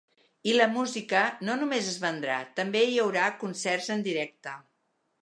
I la música no només es vendrà, també hi haurà concerts en directe.